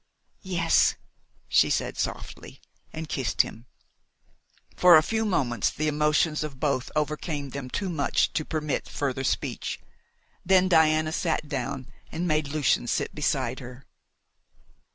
"Yes," she said softly, and kissed him. For a few moments the emotions of both overcame them too much to permit further speech; then Diana sat down and made Lucian sit beside her.